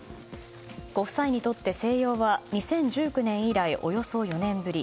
ご夫妻にとって、静養は２０１９年以来およそ４年ぶり。